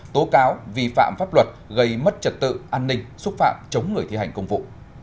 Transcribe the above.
tố cáo vi phạm pháp luật gây mất trật tự an ninh xúc phạm chống người thi hành công vụ